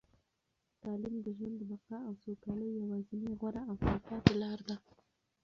تعلیم د ژوند د بقا او سوکالۍ یوازینۍ، غوره او تلپاتې لاره ده.